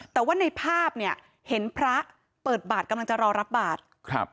แต่ว่าในภาพเนี่ยเห็นพระเปิดบาทกำลังจะรอรับบาทครับ